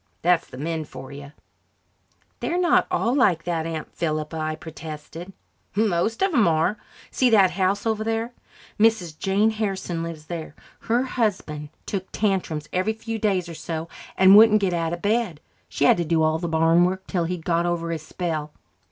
That's the men for you." "They're not all like that, Aunt Philippa," I protested. "Most of 'em are. See that house over there? Mrs. Jane Harrison lives there. Her husband took tantrums every few days or so and wouldn't get out of bed. She had to do all the barn work till he'd got over his spell.